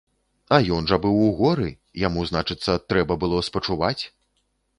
А ён жа быў у горы, яму, значыцца, трэба было спачуваць!